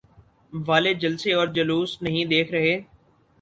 والے جلسے اور جلوس نہیں دیکھ رہے؟